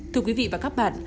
thưa quý vị và các bạn